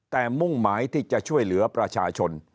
แต่มุ่งหมายที่จะช่วยเหลือประชาชน